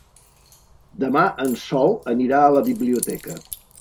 Demà en Sol anirà a la biblioteca.